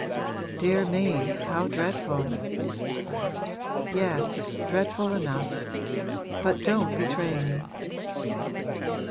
'Dear me, how dreadful!' 'Yes, dreadful enough. But don't betray me.'